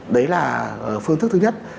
đấy là phương thức thứ nhất